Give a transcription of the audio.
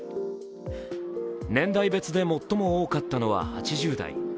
年代別で最も多かったのは８０代。